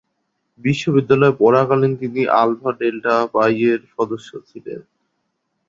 বিশ্ববিদ্যালয়ে পড়াকালীন তিনি আলফা ডেল্টা পাইয়ের সদস্য ছিলেন।